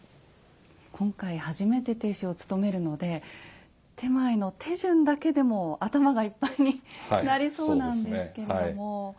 今回初めて亭主をつとめるので点前の手順だけでも頭がいっぱいになりそうなんですけれども。